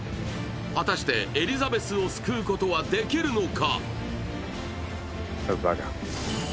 果たしてエリザベスを救うことはできるのか。